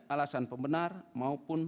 alasan pembenar maupun